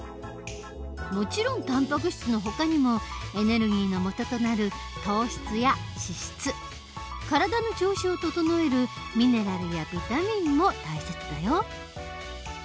もちろんたんぱく質のほかにもエネルギーのもととなる糖質や脂質体の調子を整えるミネラルやビタミンも大切だよ。